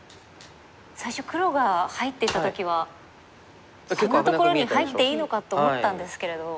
最初黒が入っていった時はそんなところに入っていいのかと思ったんですけれど。